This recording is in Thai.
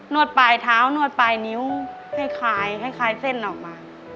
วดปลายเท้านวดปลายนิ้วให้คลายให้คลายเส้นออกมา